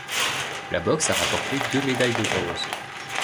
La boxe a rapporté deux médailles de bronze.